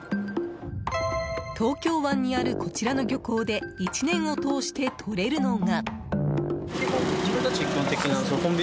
東京湾にある、こちらの漁港で１年を通してとれるのが。